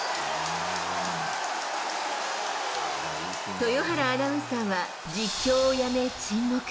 豊原アナウンサーは実況をやめ、沈黙。